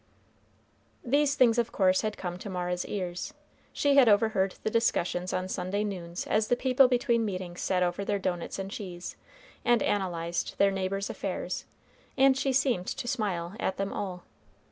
These things, of course, had come to Mara's ears. She had overheard the discussions on Sunday noons as the people between meetings sat over their doughnuts and cheese, and analyzed their neighbors' affairs, and she seemed to smile at them all.